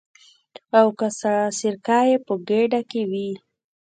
او که سرکه یې په ګېډه کې وي.